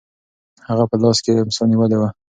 هغه په لاس کې امسا نیولې وه.